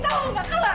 kamu nggak sengaja